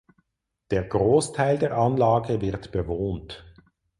Der Großteil der Anlage wird bewohnt.